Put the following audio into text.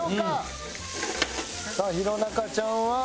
さあ弘中ちゃんは。